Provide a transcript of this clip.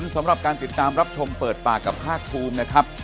สำหรับการติดตามรับชมเปิดปากกับภาคภูมินะครับ